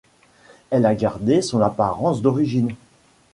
Elle a gardé son apparence d'origine.